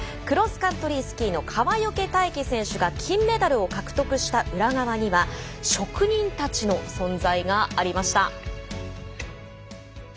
クロスカントリースキーの川除大輝選手が金メダルを獲得した裏側には職人たちの存在がありました。